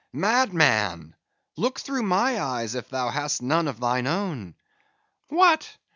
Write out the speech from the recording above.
"Madman! look through my eyes if thou hast none of thine own." "What!